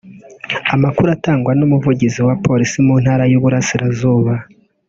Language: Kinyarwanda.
Amakuru atangwa n’ umuvugizi wa polisi mu Ntara y’Uburasirazuba